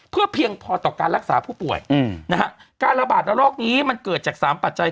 เพื่อเพียงพอต่อการรักษาผู้ป่วยอืมนะฮะการระบาดระลอกนี้มันเกิดจากสามปัจจัย